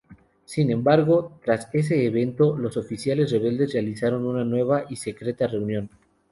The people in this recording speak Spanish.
Sin embargo, tras ese evento, los oficiales rebeldes realizaron una nueva y secreta reunión.